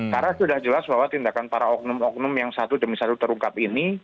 karena sudah jelas bahwa tindakan para oknum oknum yang satu demi satu terungkap ini